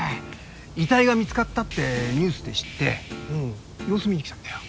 遺体が見つかったってニュースで知って様子見に来たんだよ。